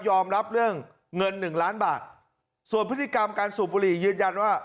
รับเรื่องเงินหนึ่งล้านบาทส่วนพฤติกรรมการสูบบุหรี่ยืนยันว่า